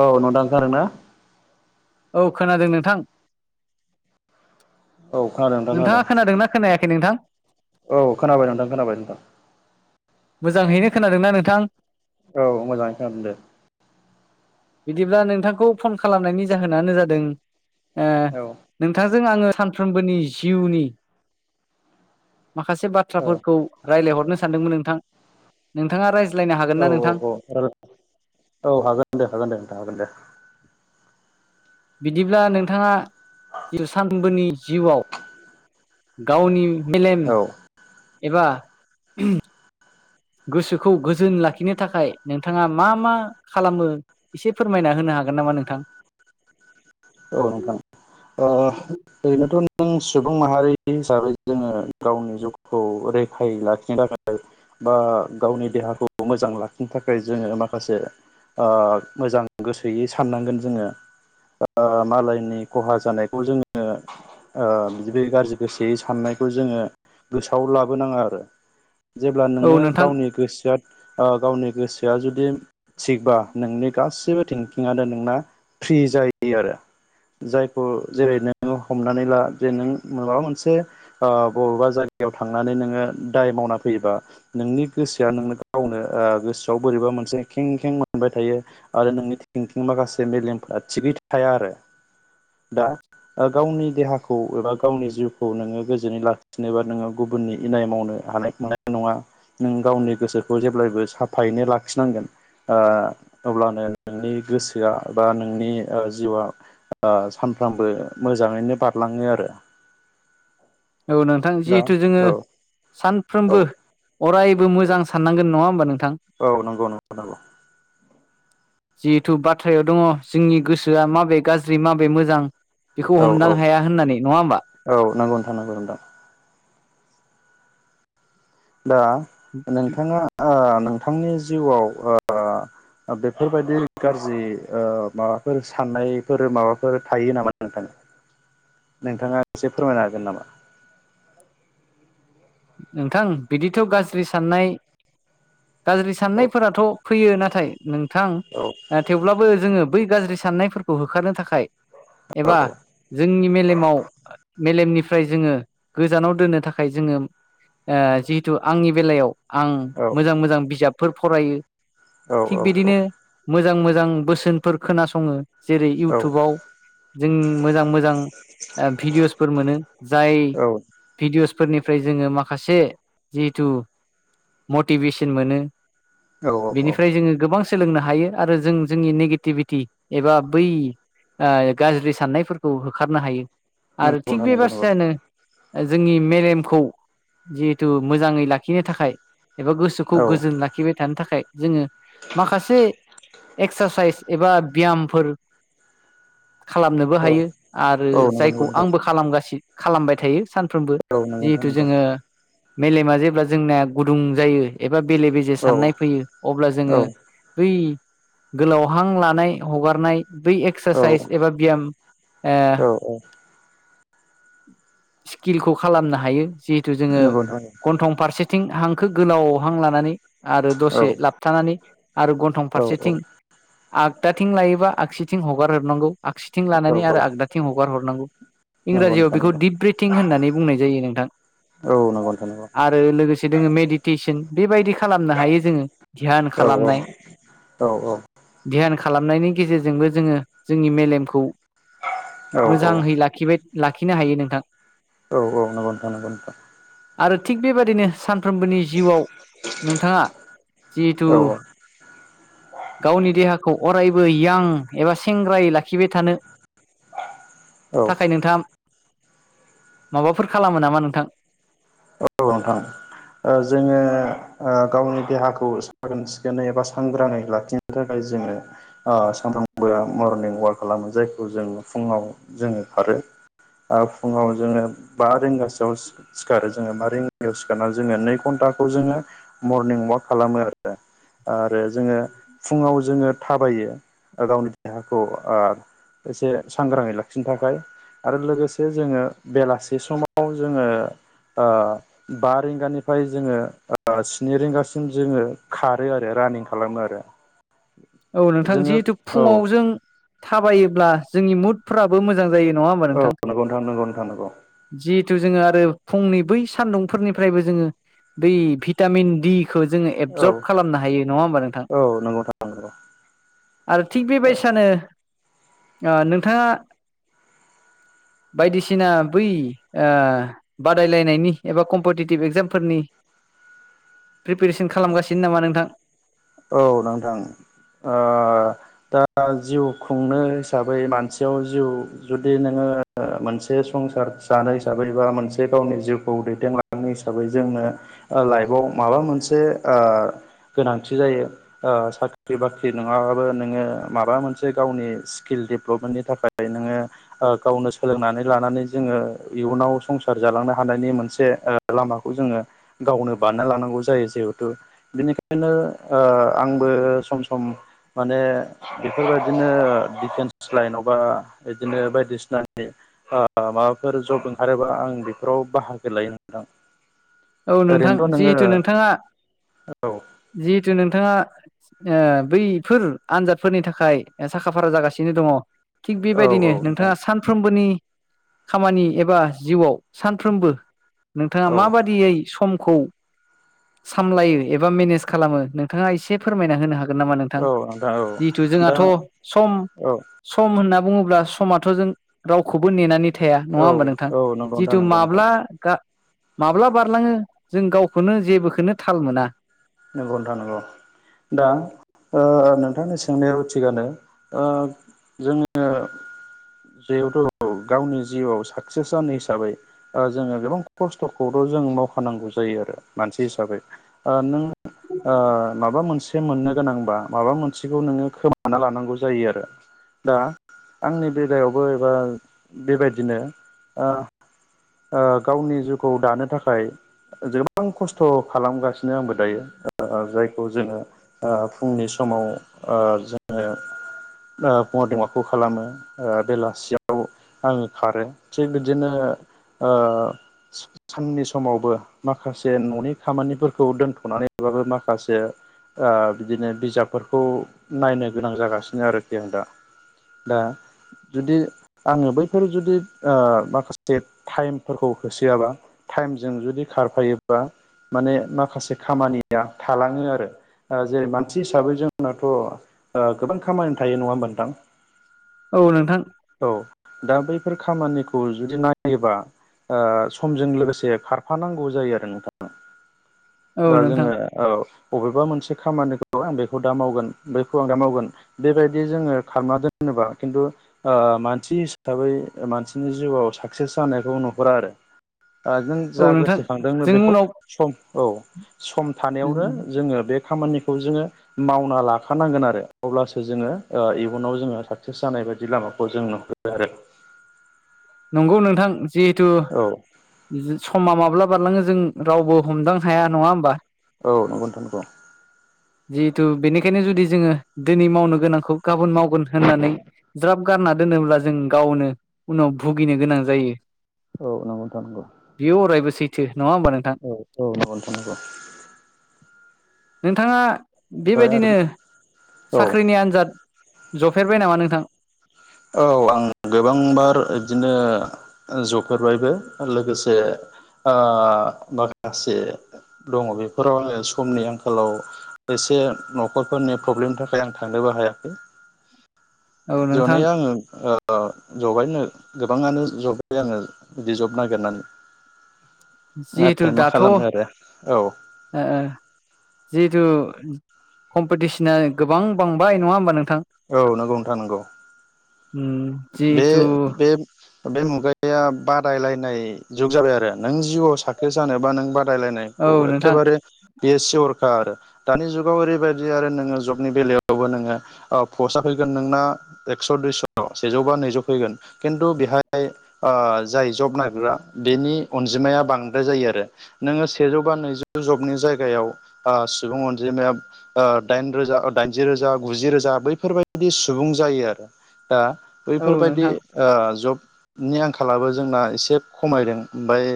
औ न'दां खोनादों ना? औ खोनादों नोंथां। [inaudible] औ खोनादों नोंथां खोनादों नोंथाङा खोनादोंना खोनायाखै नोंथां? औ खोनाबाय नोंथां खोनाबाय नोंथां। मोजांहैनो खोनादोंना नोंथां? औ मोजाङै खोनादोंदे। बिदिब्ला नोंथांखौ फन खालामनायनि जाहोनानो जादों औ। जों आङो सानफ्रोमबोनि जिउनि माखासे औ बाथ्राफोरखौ रायलायहरनो सानदोंमोन नोंथां। नोंथाङा रायज औ औ औ रायल औ हागोन दे हागोन दे नोंथां हागोन दे। बिदिब्ला नोंथाङा जि सानबोनि जिउआव गावनि मेलेम औ एबा गोसोखौ गोजोन लाखिनो थाखाय नोंथाङा मा मा खालामो एसे फोरमायना होनो हा हागोन नामा नोंथां? औ नोंथां अह ओरैनोथ' जों सुबुं माहारि हिसाबै जोङो गावनि जिउखौ रैखायै लाखिनो थाखाय बा गावनि देहाखौ मोजां लाखिनो थाखाय जोङो माखासे ओ मोजां गोसोयै साननांगोन जोङो ओ मालायनि खहा जानायखौ जोङो ओ बिदि गाज्रि गोसोयै साननायखौ जोङो गोसोआव लाबोनाङा आरो। जेब्ला औ नोङो नोंथां गावनि गोसोआत ओ गावनि गोसोआ जुदि थिगबा नोंनि गासैबो थिंकिंआनो नोंना फ्रि जायो आरो। जायखौ जेरै नोङो हमनानै ला जे नों माबा मोनसे ओ बबेबा जाय गायाव थांनानै नोङो दाय मावना फैयोबा नोंनि गोसोआ नों गावनो ओ गोसोआव बोरैबा मोनसे खें खें मोनबाय थायो आरो नोंनि थिंकिं माखासे मेलेमफोरा थिगै था थाया आरो। दा गावनि देहाखौ एबा गावनि जिउखौ नोङो गोजोनै लाखिनोबा नोङो गुबुन गुबुननि इनाय मावनो हानायनाय नङा नों गावनि गोसोखौ जेब्लायबो साफायैनो लाखिनांगोन ओ अब्लानो नोंनि गोसोआ बा नोंनि ओ जिउआ ओ सानफ्रामबो मोजाङैनो बारलाङो आरो। औ नोंथां दा जिहेथु जोङो औ औ सानफ्रोमबो अरायबो मोजां साननांगोन नङा होमबा नोंथां? माव दांग [unintelligible] जिहेथु बाथ्रायाव दङ जोंनि गोसोआ माबे गाज्रि माबे मोजां बेखौ औ औ हमदां हाया होननानै नङा होमबा? औ नंगौ नोंथां नंगौ नोंथां दा नोंथाङा ओ नोंथांनि जिउआव ओ बेफोरबायदि गाज्रि ओ माबाफोर साननायफोर माबाफोर थायो नामा नोंथां? नोंथाङा एसे फोरमायनो हागोन नामा? [inaudible] नोंथां बिदिथ' गाज्रि साननाय गाज्रि औ साननायफोराथ' फैयो नाथाय नाथाय नोंथां औ थेवब्लाबो जोङो बै गाज्रि साननायफोरखौ होखारनो थाखाय एबा औ जोंनि मेलेमाव मेलेमनि निफ्राय जोङो गोजानाव दोननो थाखाय जोङो ओ जिहेथु आंनि बेलायाव आं औ मोजां मोजां बिजाबफोर फरायो औ थिग औ औ बिदिनो मोजां मोजां बोसोनफोर खोनासङो जेरै इउटुबाव जों मोजां मोजां भिडिय'सफोर मोनो जाय भिडिअ'स फोरनिफ्राय जोङो माखासे जिहेथु मटिभेसन मोनो। औ औ औ बेनिफ्राय जोङो गोबां सोलोंनो हायो आरो जों जोंनि नेगेटिभिटि एबा बै आ गाज्रि साननायफोरखौ होखारनो हायो आरो नंगौ थिग नोंथां बे नंगौ नंगौ बासथायानो जोंनि मेलेमखौ जिहेथु मोजाङै लाखिनो थाखाय एबा गोसोखौ औ गोजोन लाखिबाय थानो थाखाय जोङो माखासे एक्सारसाइज एबा व्यामफोर खालामनोबो हायो आरो औ नंगौ जायखौ नंगौ नोंथां आंबो खालामगासि खालामबाय थायो सानफ्रोमबो औ नंगौ नोंथां जिहेथु नंगौ जोङो मेलेमा जेब्ला जोंनिया गुदुं जायो ए बा बेले बेजे औ साननाय फैयो अब्ला औ जोङो बै गोलावहां लानाय हगारनाय ब औ एक्सारसाइस एबा बियाम औ औ स्किलखौ खालामनो हायो जिहेथु जोङो नंगौ नोंथां गन्थं फारसे थिं हांखो गोलाव हां लानानै आरो औ दसे लाबथानानै आरो गन्थं औ फारसेथिं आगदाथिं लायोबा आगसिथिं हगार हरनांगौ आगसिथिं लानानै औ आरो आगदाथिं हगार हरनांगौ नंगौ इंराजियाव नोंथां बेखौ नंगौ दिप ब्रिथिं होननानै बुंनाय जायो नोंथां। औ नंगौ नोंथां नंगौ आरो लोगोसे दोङो मेडिटेसन बेबायदिखो खालामनो हायो जोङो ध्यान औ खालामनाय औ ध्यान। खालामनायनि गेजेरजोंबो जोङो जोंनि मेलेमखौ औ औ मोजांहै लाखिबाय लाखिनो हायो नोंथां। औऔ नंगौ नोंथां नंगौ नोंथां। आरो थिग बेबायदिनो सान सानफ्रोमबोनि जिउआव नोंथाङा जिहेथु औ गावनि देहाखौ अरायबो यां एबा सेंग्रायै लाखिबाय थानो। औ थाखाय नोंथाङा माबाफोर खालाम नामा नोंथां? औ नोंथां अ जोङो अ गावनि देहाखौ साखोन सिखोनै एबा सांग्राङै लाखिनो थाखाय जोङो अ सानफ्रामबो हामबोआ मर्निं अवाक खालामो जायखौ जों फुङाव जोङो खारो अ फुङाव जोङो बा रिंगासोआव सि सिखारो जोङो मारैयाव सिखारनानै जोङो नै घन्टाखौ जोङो मर्निं ववाक खालामो आरो। आरो जोङो फुङाव जोङो थाबायो अ गावनि देहाखौ आ एसे सांग्राङै लाखिनो थाखाय आरो लोगोसे जोङो बेलासि समाव जोङो आ बा रिंगानिफ्राय जोङो आ स्नि रिंगासिम जोङो खारो आरो। रानिं खालामो आरो लव औ नोंथां जिहेतु फुङाव जों थाबायोब्ला जोंनि मुदफोराबो मोजां जायो नङा होमबा औ नोंथां नंगौ नोंथां नंगौ नोंथां नंगौ जि तु जोङो आरो फुंनि बै सान्दुंफोरनिफ्रायबो जोङो बै भिटामिन दि खौ जोङो औ एबजर्ब खालामनो हायो नङा होमबा नोंथां औ नंगौ नोंथां नंगौ आरो थिग बेबायसानो अ नोंथाङा [inaudible] बायदिसिना बै आ बादायलायनायनि एबा कम्पिटिटिभ एग्जामफोरनि प्रिपेरेसन खालामगासिनो नामा नोंथां? औ नोंथां अ दा जिउ खुंनो हिसाबै मानसियाव जिउ जुदि नोङो। अ मोनसे संसार जानो हिसाबै बा मोनसे गावनि जिउखौ दैदेनलांनो हिसाबै जोंनो। अ लाइआव माबा मोनसे ओ गोनां थि जायो अ साख्रि बाख्रि नङाबाबो नोङो माबा मोनसे गावनि स्किल डेभेलप नि थाखाय नोङो गावनो सोलोंनानै लानानै जोङो इयुनाव संसार जालांनो हानायनि। मोनसे ओ लामाखौ जोङो गावनो बानायना लानांगौ जायो जिहेथु बेनिखायनो ओ आंबो सम सम माने बेफोरबायदिनो डिफेन्स लाइनाव माबा बिदिनो बायदिसिनानि ओ माबाफोर जब ओंखारोबा आं बेफोराव बाहागो लायो नोंथां औ नोंथां ओरैनोथ' जिहेथु नोङो औ नोंथाङा जिहेथु नोंथा नोंथाङा ओ बैफोर आनजादफोरनि थाखाय साखा फारा जागासिनो दङ थिग औ बेबायदिनो औ नोंथां नोंथाङा सानफ्रोमबोनि खामानि एबा जिउआव सानफ्रोमबो नोंथाङा औ माबादि समखौ सामलायो एबा मेनेज खालामो नोंथाङा एसे फोरमायना होनो हागोन हागोनना मा नोंथां औ औ जिहेथु दा जोंहाथ सम औ सम होनना बुंङोब्लाथ बुङोब्ला समाथ' जों रावखौबो नेनानै थाया नङा होमबा नोंथां औ औ नंगौ जिथु नोंथां नंगौ नोंथां मा‌गा माब्ला बारलाङो जों गावखौनो जेबोखौनो थाल मोना। नंगौ नोंथां नंगौ दा ओ नोंथांनि सोंनायाव थिगानो ओ जोङो जिहेथु गावनि जिउआव साक्सेस जानाय हिसाबै ओ जोङो गोबां खस्थ'खौथ'' जों मावखानांगौ जायो मानसि हिसाबै ओ नों ओ माबा मोनसे मोननो गोनांबा माबा मोनसेखौ नोङो खोमाना लानांगौ जायो आरो दा आंनि बेलायावबो एबा बेबायदिनो ओ गावनि जिउखौ दानो थाखाय गोबां खस्थ' खालामगासिनो आंबो दायो ओ जायखौ जोङो ओ फुंनि समाव ओ जोङो ओ मरनिं वाकखो खालामो बेलासियाव आङो खारो थिग बिदिनो ओ साननि समावबो माखासे न'नि खामानिफोरखौ दोनथ'नानै मबाबो माखासे ओ बिदिनो बिजाबफोरखौ नायनो गोनां जागासिनो आरोखि आं दा दा जुदि आङो बैफोर जुदि ओ माखासे टाइमफोरखौ होसोआबा टाइमजों जुदि खारफायोबा माने माखासे खामानि या थालाङो आरो ओ जेरै मानसि हिसाबै जोंनाथ' ओ गोबां खामानि थायो नङा होम नोंथां औ नोंथां औ दा बैफोर खामानिखौ खौ जुदि नायोबा समजों ओ लोगोसे खारफानांगौ जायो आरो नोंथाङा औ नोंथां औ अबेबा मोनसे खामानिखौ आं बेखौ दा मावगोन बेखौ आं दा मावगोन बेबायदि जोङो खालाम दोनोबा खिन्थु ओ मानसि हिसाबै मानसिनि जिउआव साक्सेस जानायखौ नुहरा आरो [inaudible] ओ जों जा औ नोंथां गोसोखांदों जों बेखौ उनाव सम औ सम थानायावनो जोङो बे खामानिखौ जोङो मावना लाखानांगोन आरो अब्लासो जोङो ओ इयुनाव जोङो साक्सेस जानाय बेबायदि लामाखौ जों नुहुरो आरो [inaudible] नंगौ नोंथां जिहेथु औ जो समा माब्ला बारलाङो जों रावबो हमदांनो हाया नङा होमबा औ नंगौ नोंथां‌ नंगौ जिहेथु बेनिखायनो जुदि जोङो दिनै मावनो गोनांखौ गाबोन मावगोन होननानै ज्राब गारना दोनोब्ला जों गावनो उनाव भुगिनो गोनां जायो औ नांगौ नोंथां नंगौ बेयो अरायबो सैथो नङा होमबा नोंथां औ औ नंगौ नोंथां नंगौ नोंथाङा ओमफ्राय आरो बेबायदिनो औ साख्रिनि आन्जाद जफेरबाय नामा नोंथां औ आं गोबांबार बिदिनो ओ जफेरबायबो लोगोसे ओ माखासे दङ बेफोराव आङो समनि आंखालाव एसे न'खरफोरनि प्रब्लेमनि थाखाय आं थांनोबो हायाखै औ नोंथां ओ जबैनो गोबाङानो जब आङो बिदि जब नागिरनानै जिहेथु नाथाय मा दाथ'ओ खालामनो आरो औ जिहेथु कम्पिटिसना गोबां बांबाय नङा होमबा नों औ नोंगौ नोंथां नांगौ उम जिहेथु बे बे मुगाया बादायलायनाय जुग जाबाय आरो नों जिउआव साकसेस जानोबा नों बादायलायनायखौ औ नोंथां एखेबारे बेयो सिउरखा आरो दानि जुगाव ओरैबायदि आरो नोङो जबनि बेलायावबो नोङो पस्टआ फैगोन नोंना एस' दुइस'ल सेजौ बा नैजौ फैगोन खिन्थु बेहाय जाय जब नागिर्रा बेनि अनजिमाया बांद्राय जायो आरो नोङो सेजौ बा नैजौ जबनि जायगायाव ओ सुबुं अनजिमाया ओ दाइन रोजा दाइनजि रोजा गुजि रोजा बैफोरबायदि सुबुं जायो आरो दा औ बैफोरबायदि नोंथां ओ जब नि आंखालाबो जोंना एसे खमायदों ओमफाय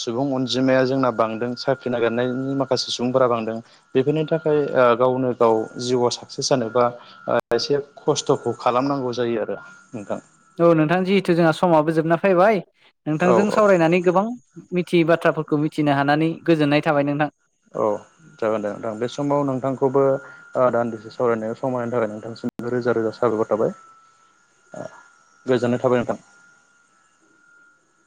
सुबुं अनजिमाया जोंना बां दों साख्रि नागिरनायनि माखासे सुबुंफोरा बांदों बेफोरनि थाखाय ओ गावनो गाव जिउआव साक्सेस सानोबा एसे खस्थ'खौ खालामनांगौ जायो आरो नोंथां औ नोंथां जिहेथु जोंहा समाबो जोबना फैबाय औ नोंथांजों औ सावरायनानै गोबां मि थि बाथ्राफोरखौ मिथिनो हानानै गोजोननाय थाबाय नोंथां औ जागोन जे नोंथां बे समाव नोंथांखौबो ओ दान्दिसे सावरायनायाव समहोनो थाखाय नोंथांसिम रोजा रोजा साबायखर थाबाय गोजोननाय थाबाय नोंथां [inaudible]